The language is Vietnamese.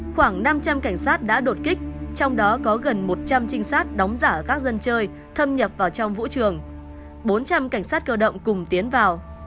khoảng năm trăm linh cảnh sát đã đột kích trong đó có gần một trăm linh trinh sát đóng giả các dân chơi thâm nhập vào trong vũ trường bốn trăm linh cảnh sát cơ động cùng tiến vào